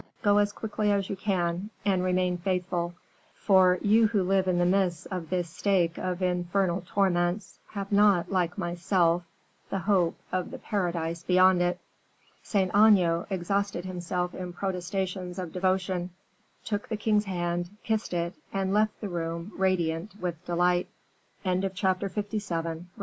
Go as quickly as you can, and remain faithful; for, you who live in the midst of this stake of infernal torments, have not, like myself, the hope of the paradise beyond it." Saint Aignan exhausted himself in protestations of devotion, took the king's hand, kissed it, and left the room radiant with delight. Chapter LVIII. King and Noble.